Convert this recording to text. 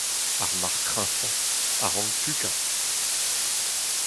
ar marc'h kreñvañ a rank pukañ